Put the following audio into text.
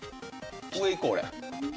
上行こう俺。